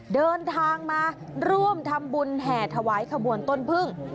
เดินทางมาร่วมทำบุญแห่ถวายขบวนต้นพึ่ง